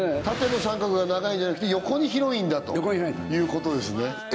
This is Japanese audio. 縦の三角が長いんじゃなくて横に広いんだということですね